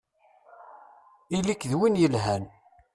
Ili-k d win yelhan!